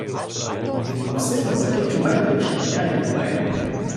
Від Максима за кілька метрів штиняє” клеєм.